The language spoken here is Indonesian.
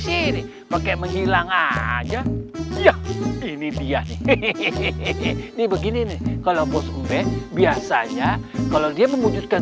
sini pakai menghilang aja ini dia hehehe di begini nih kalau bos bebi biasanya kalau dia